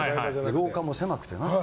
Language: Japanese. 廊下も狭くてね。